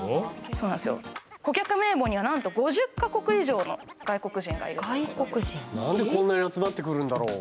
そうなんですよ顧客名簿にはなんと５０か国以上の外国人がいる何でこんなに集まってくるんだろう？